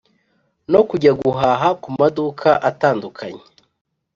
no kujya guhaha kumaduka atandukanye.